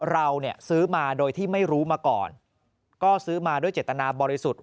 เราเนี่ยซื้อมาโดยที่ไม่รู้มาก่อนก็ซื้อมาด้วยเจตนาบริสุทธิ์